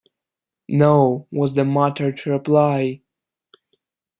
‘No,’ was the muttered reply.